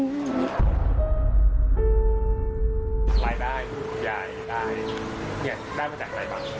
รายได้คุณผู้ใหญ่ได้ได้มาจากไหนบ้าง